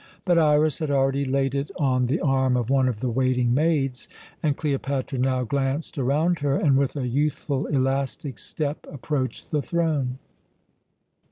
But Iras had already laid it on the arm of one of the waiting maids, and Cleopatra now glanced around her, and with a youthful, elastic step approached the throne.